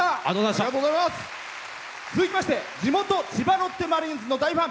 続きまして地元・千葉ロッテマリーンズの大ファン。